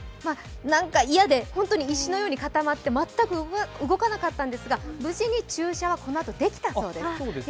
なんか嫌で本当に石のように固まって全く動かなかったんですが、無事に注射はこのあとできたそうです。